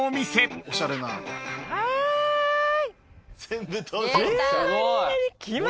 はい。